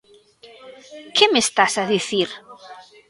Que me estás a dicir?